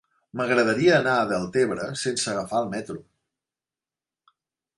M'agradaria anar a Deltebre sense agafar el metro.